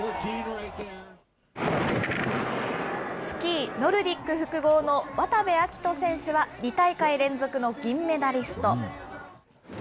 スキーノルディック複合の渡部暁斗選手は、２大会連続の銀メダリスト。